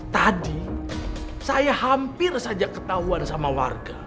tadi saya hampir saja ketahuan sama warga